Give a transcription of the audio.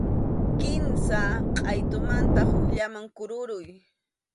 Kimsa qʼaytumanta hukllaman kururay.